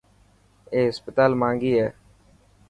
اي هسپتال ماهنگي هي.